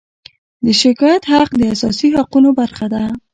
د شکایت حق د اساسي حقونو برخه ده.